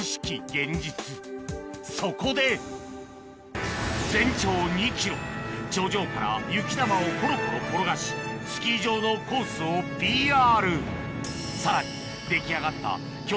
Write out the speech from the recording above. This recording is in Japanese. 現実そこで全長２ｋｍ頂上から雪玉をコロコロ転がしスキー場のコースをＰＲ